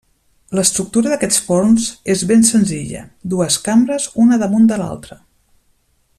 L'estructura d'aquests forns és ben senzilla: dues cambres, una damunt de l'altra.